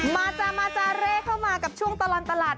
มาจ้ามาจาเร่เข้ามากับช่วงตลอดตลาด